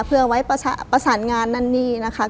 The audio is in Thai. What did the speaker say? เพื่อไว้ประสานงานนั่นนี่นะคะ